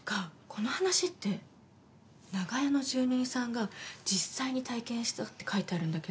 この話って「長屋の住人さん」が実際に体験したって書いてあるんだけど。